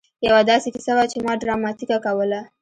يوه داسې کيسه وه چې ما ډراماتيکه کوله.